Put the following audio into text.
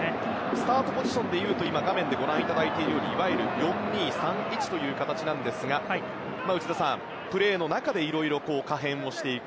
スタートポジションだと画面でご覧いただいているように４−２−３−１という形ですがプレーの中でいろいろ可変していく。